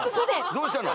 どうしたの？